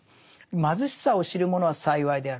「貧しさを知るものは幸いである」。